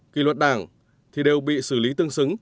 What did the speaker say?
kỳ luật đảng thì đều bị xử lý tương xứng